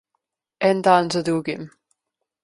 En dan za drugim.